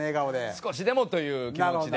少しでもという気持ちで。